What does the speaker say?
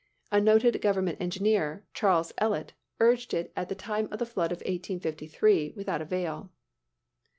A noted government engineer, Charles Ellet, urged it at the time of the flood of 1853, without avail.